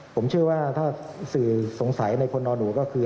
ผมเชื่อว่าถ้าสื่อสงสัยในคนนอนหนูก็คือ